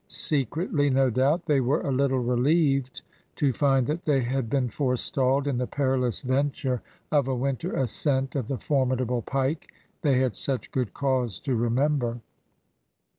Secretly, no doubt, they were a little relieved to find that they had been forestalled in the perilous venture of a winter ascent of the formidable pike they had such good cause to remember.